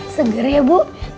segar ya bu